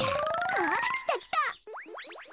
あきたきた。